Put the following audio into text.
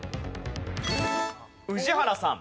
宇治原さん。